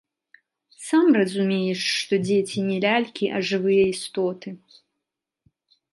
Сам разумееш, што дзеці не лялькі, а жывыя істоты.